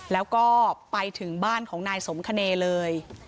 แล้วก็ไปถึงบ้านของนายสมคเนเลย